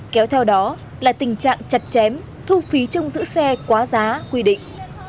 kéo theo đó là tình trạng chặt chém thu phí trong giữ xe quá giá quy định